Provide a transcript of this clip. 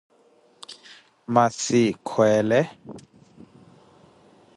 Massi kweele ?